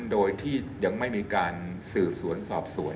โดยที่ยังไม่มีการสืบสวนสอบสวน